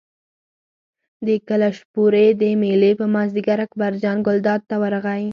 د کلشپورې د مېلې په مازدیګر اکبرجان ګلداد ته ورغی.